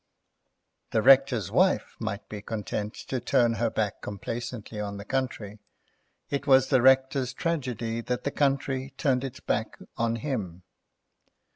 The Rector's wife might be content to turn her back complacently on the country; it was the Rector's tragedy that the country turned its back on him.